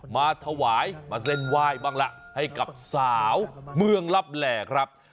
มาถวายมาเสร็จว่ายบ้างล่ะให้กับสาวเมืองลับแลครับ